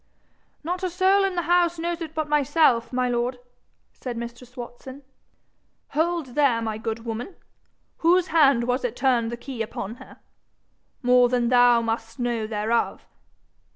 'Not a soul in the house knows it but myself, my lord,' said mistress Watson. 'Hold there, my good woman! Whose hand was it turned the key upon her? More than thou must know thereof.